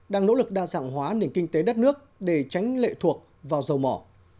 đang nỗ lực đa dạng hóa nền kinh tế đất nước để tránh lệ thuộc vào dầu mỏ